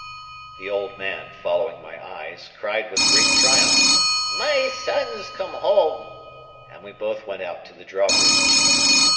The old man, following my eyes, cried with great triumph, "My son's come home!" and we both went out to the drawbridge.